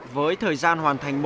với thời gian hoàn thành